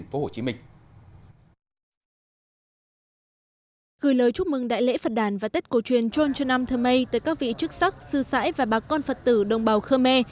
gửi lời chúc mừng đại lễ phật đàn và tết cổ truyền trôn trần nam thơ mây tới các vị chức sắc sư sãi và bà con phật tử đồng bào khơ me